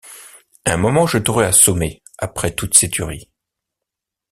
Un moment, je t’aurais assommé, après toutes ces tueries.